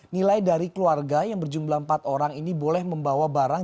nilai dari keluarga yang berjumlah empat orang ini boleh membawa barang